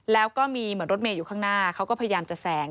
แล้วก็มีเหมือนรถเมย์อยู่ข้างหน้าเขาก็พยายามจะแสง